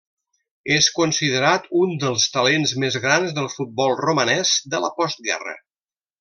És considerat un dels talents més grans del futbol romanès de la postguerra.